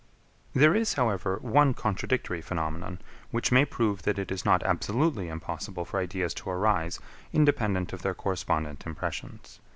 16. There is, however, one contradictory phenomenon, which may prove that it is not absolutely impossible for ideas to arise, independent of their correspondent impressions.